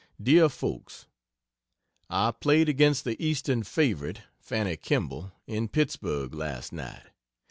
DEAR FOLKS, I played against the Eastern favorite, Fanny Kemble, in Pittsburgh, last night.